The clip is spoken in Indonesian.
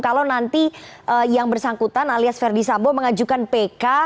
kalau nanti yang bersangkutan alias verdi sambo mengajukan pk